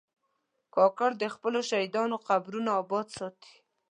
کاکړ د خپلو شهیدانو قبرونه آباد ساتي.